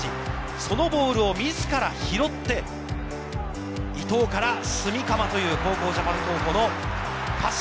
そのボールをみずから拾って、伊藤から炭竈という高校ジャパン候補のパス。